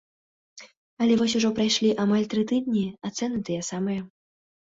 Але вось ужо прайшлі амаль тры тыдні, а цэны тыя самыя.